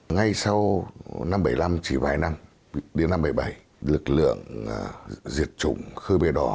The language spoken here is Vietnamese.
ngay sau năm một nghìn chín trăm bảy mươi năm chỉ vài năm đến năm một nghìn chín trăm bảy mươi bảy lực lượng diệt chủng khơi bề đỏ